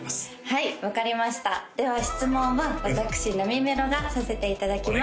はい分かりましたでは質問は私なみめろがさせていただきます